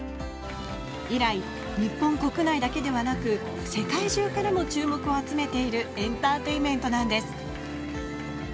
以来、日本国内だけではなく世界中からも注目を集めているエンターテインメントなんです。